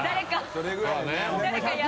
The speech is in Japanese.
それぐらいね本当。